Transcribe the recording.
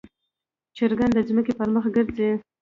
چرګان د ځمکې پر مخ ګرځي.